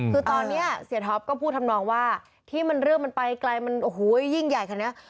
คือตอนนี้เสียท็อปก็พูดทำนองว่าที่มันเรื่องมันไปไกลมันโอ้โหยิ่งใหญ่ขนาดนี้